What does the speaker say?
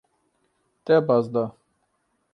Te baz da.